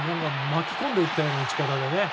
巻き込んで打ったような打ち方でね。